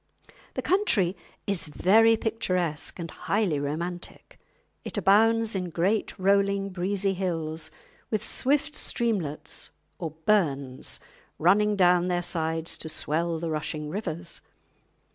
The country is very picturesque and highly romantic. It abounds in great rolling, breezy hills, with swift streamlets or "burns" running down their sides to swell the rushing rivers.